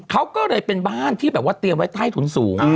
เขาก็เลยเป็นบ้านที่แบบว่าเตรียมไว้ใต้ถุนสูง